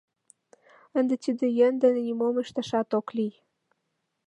Ынде тиде йӧн дене нимом ышташат ок лий...